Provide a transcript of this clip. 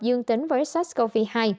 dương tính với sars cov hai